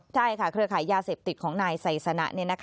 ใช่ค่ะเครือขายยาเสพติดของนายไซสนะ